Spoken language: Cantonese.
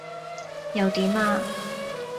又點呀?